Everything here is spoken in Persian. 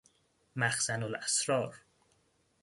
مخزن الاسرار